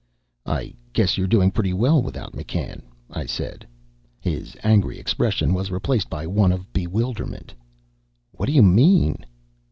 "I guess you're doing pretty well without McCann," I said. His angry expression was replaced by one of bewilderment. "What do you mean?"